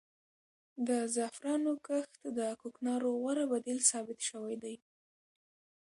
د زعفرانو کښت د کوکنارو غوره بدیل ثابت شوی دی.